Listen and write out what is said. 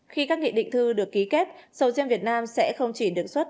khi các nghị định thư được ký kết sầu riêng việt nam sẽ không chỉ được xuất